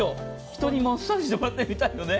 人にマッサージしてもらってるみたいよね。